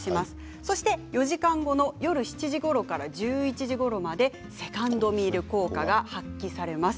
そして４時間後の夜７時ごろから１１時ごろまでセカンドミール効果が発揮されます。